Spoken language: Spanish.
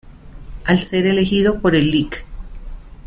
Al ser elegido por el Lic.